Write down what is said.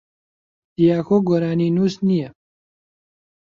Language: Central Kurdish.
دیاکۆ گۆرانینووس نییە.